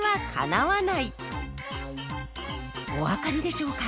お分かりでしょうか？